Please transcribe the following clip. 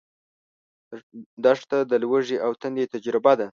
دښته د لوږې او تندې تجربه ده.